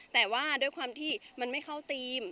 แต่ว่าด้วยความที่มันไม่เข้าทีม